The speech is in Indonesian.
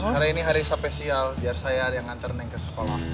hari ini hari spesial biar saya yang nantar neng ke sekolah